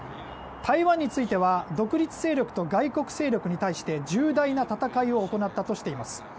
台湾については独立勢力と外国勢力に対し重大な戦いを行ったとしています。